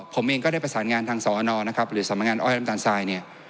ผมเองก็ได้ประสานงานทางสอนอนะครับหรือสำนักงานอ้อยน้ำตาลทรายเนี่ย